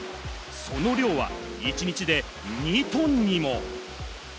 その量は一日で２トンにも。